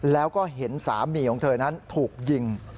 แล้วก็เห็นสามีของเธอนั้นถูกยิง